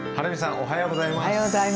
おはようございます。